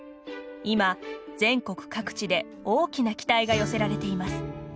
今、全国各地で大きな期待が寄せられています。